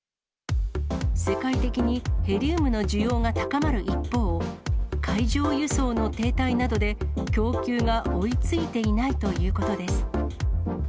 世界的にヘリウムの需要が高まる一方、海上輸送の停滞などで、供給が追いついていないということです。